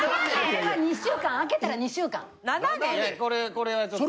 これはちょっと。